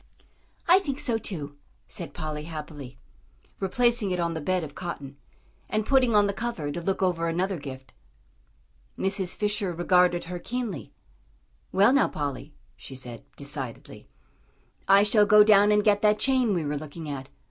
"I think so too," said Polly, happily, replacing it on the bed of cotton, and putting on the cover to look over another gift. Mrs. Fisher regarded her keenly. "Well, now, Polly," she said, decidedly, "I shall go down and get that chain we were looking at.